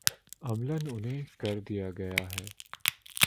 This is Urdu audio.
عملا انہیں کر دیا گیا ہے۔